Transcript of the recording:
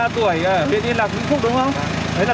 ba mươi ba tuổi điện yên là vĩnh phúc đúng không